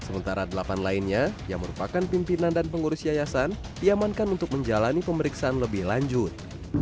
pemimpinan dan pengurus yayasan diamankan untuk menjalani pemeriksaan lebih lanjut